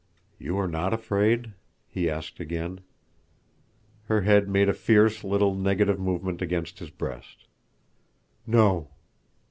"You are not afraid?" he asked again. Her head made a fierce little negative movement against his breast. "No!"